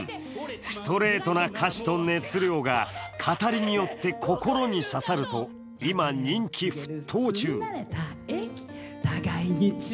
ストレートな歌詞と熱量が語りによって心に刺さると今、人気沸騰中。